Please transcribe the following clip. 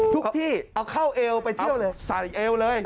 ที่เอาเข้าเอวไปเที่ยวเลยใส่เอวเลย